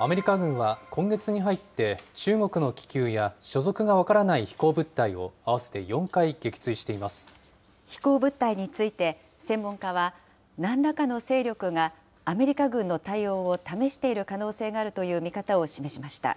アメリカ軍は、今月に入って中国の気球や所属が分からない飛行物体を、飛行物体について専門家は、なんらかの勢力が、アメリカ軍の対応を試している可能性があるという見方を示しました。